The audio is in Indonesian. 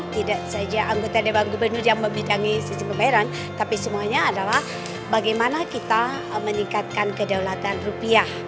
tidak saja anggota dewan gubernur yang membidangi sisi pembayaran tapi semuanya adalah bagaimana kita meningkatkan kedaulatan rupiah